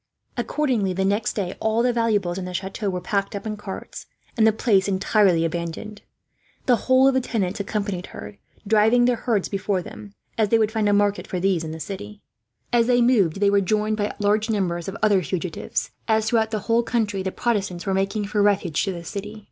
Accordingly, the next day all the valuables in the chateau were packed up in carts, and the place entirely abandoned. The whole of the tenants accompanied her, driving their herds before them, as they would find a market for these in the city. As they moved along they were joined by large numbers of other fugitives, as throughout the whole country the Protestants were making for refuge to the city.